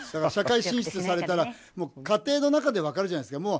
社会進出されたら家庭の中で分かるじゃないですか。